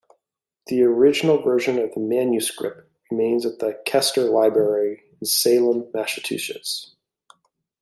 The original version of the manuscript remains at the Kester Library in Salem, Massachusetts.